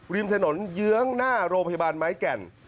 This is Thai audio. ริมถนนเยื้องหน้าโรงพยาบาลไม้แก่น